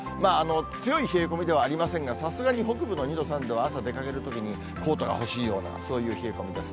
強い冷え込みではありませんが、さすがに北部の２度、３度は、朝、出かけるときに、コートが欲しいような、そういう冷え込みです。